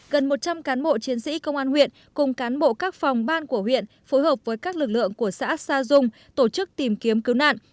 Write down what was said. gần một trăm linh cán bộ chiến sĩ công an huyện cùng cán bộ các phòng ban của huyện phối hợp với các lực lượng của xã sa dung tổ chức tìm kiếm cứu nạn